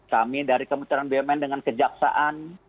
kami dari kementerian bumn dengan kejaksaan